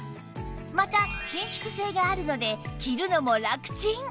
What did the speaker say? また伸縮性があるので着るのもラクチン！